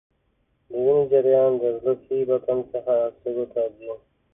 د وینې جریان د زړه ښي بطن څخه سږو ته ځي.